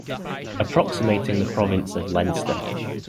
Approximating the province of Leinster.